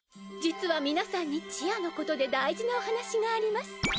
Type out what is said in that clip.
実は皆さんにちあのことで大事なお話があります。